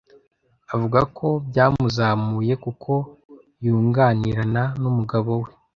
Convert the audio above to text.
Avuga ko byamuzamuye kuko yunganirana n’umugabo we